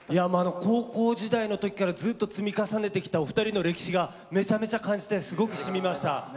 高校時代のときからずっと積み重ねてきたお二人の歴史がめちゃめちゃ感じてすごく染みました。